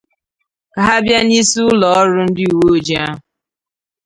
ka ha bịa n'isi ụlọọrụ ndị uwe ojii ahụ